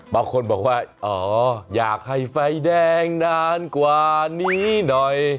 บางคนบอกว่าอ๋ออยากให้ไฟแดงนานกว่านี้หน่อย